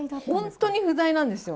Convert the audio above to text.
本当に不在なんですよ。